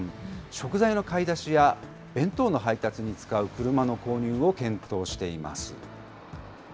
食材の買い出しや、弁当の配達に使う車の購入を検討しています。